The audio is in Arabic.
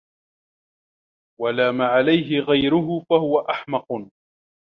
وَلامَ عَليهِ غَيرَهُ فَهُوَ أَحمَقُ